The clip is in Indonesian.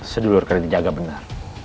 sedulur karena ini agak benar